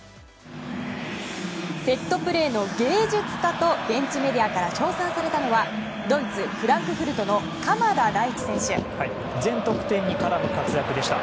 セットプレーの芸術家と現地メディアから称賛されたのはドイツ、フランクフルトの全得点に絡む活躍でした。